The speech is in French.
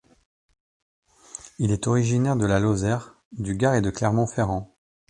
Il est originaire de la Lozère, du Gard et de Clermont-Ferrand.